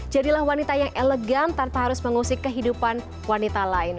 jadilah wanita yang elegan tanpa harus mengusik kehidupan wanita lain